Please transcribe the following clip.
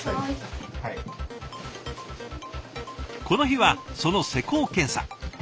この日はその施工検査。